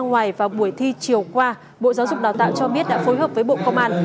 ngoài vào buổi thi chiều qua bộ giáo dục đào tạo cho biết đã phối hợp với bộ công an